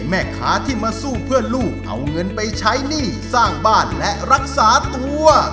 แม่ค้าที่มาสู้เพื่อลูกเอาเงินไปใช้หนี้สร้างบ้านและรักษาตัว